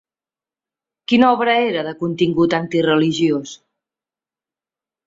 Quina obra era de contingut antireligiós?